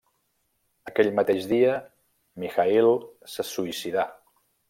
Aquell mateix dia, Mikhaïl se suïcidà.